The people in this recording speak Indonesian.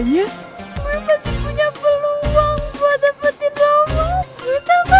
gue pasti punya peluang buat dapetin rumah gue